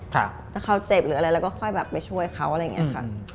ถ้าเขาเจ็บหรืออะไรเราก็ค่อยแบบไปช่วยเขาอะไรอย่างนี้ค่ะ